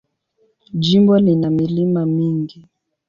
Jimbo lina milima mingi.